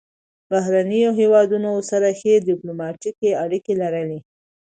بهرني هیوادونه ورسره ښې ډیپلوماتیکې اړیکې لري.